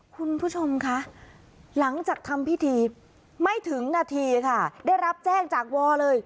คุณผู้ชมคะหลังจากทำพิธีไม่ถึงนาทีค่ะได้รับแจ้งจากวอเลย